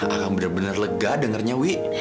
aku bener bener lega dengarnya wi